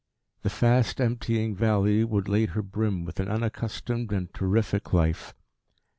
The fast emptying valley would later brim with an unaccustomed and terrific life.